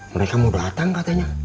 mereka mau datang katanya